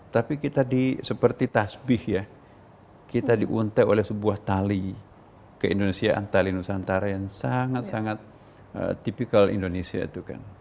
tapi kita seperti tasbih ya kita diuntek oleh sebuah tali keindonesiaan tali nusantara yang sangat sangat tipikal indonesia itu kan